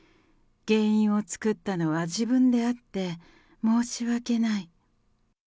原因を作ったのは自分であって、申し訳ない。